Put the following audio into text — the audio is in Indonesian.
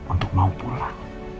untuk mau pulang